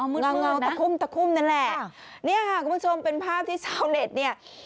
อ๋อมืดมืดนั่นแหละเนี้ยค่ะคุณผู้ชมเป็นภาพที่ชาวเน็ตเนี้ย